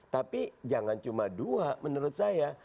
tapi jangan cuma dua menurut saya